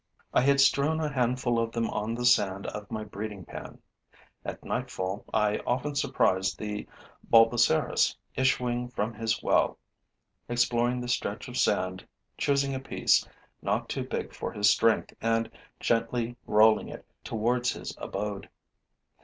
I had strewn a handful of them on the sand of my breeding pan. At nightfall, I often surprised the Bolboceras issuing from his well, exploring the stretch of sand, choosing a piece not too big for his strength and gently rolling it towards his abode.